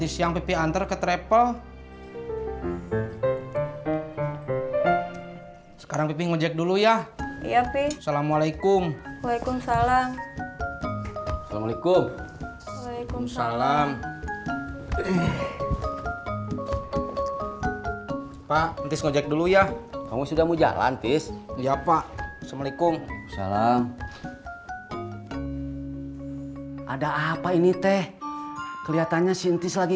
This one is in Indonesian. sampai jumpa di video selanjutnya